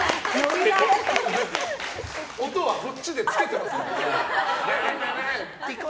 音はこっちでつけてますから。